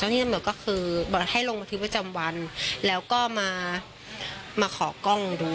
เจ้าหน้าที่ตำรวจก็คือบอกให้ลงประทิบประจำวันแล้วก็มาขอกล้องดู